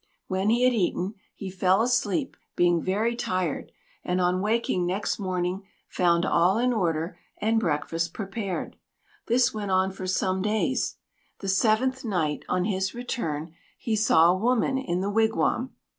When he had eaten, he fell asleep, being very tired, and on waking next morning found all in order and breakfast prepared. This went on for some days. The seventh night, on his return, he saw a woman in the wigwam.